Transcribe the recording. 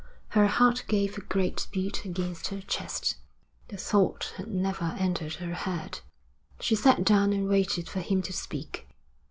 Her heart gave a great beat against her chest. The thought had never entered her head. She sat down and waited for him to speak.